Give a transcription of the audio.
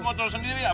itu motor sendiri ya